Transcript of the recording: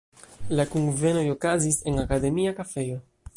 La kunvenoj okazis en Akademia kafejo.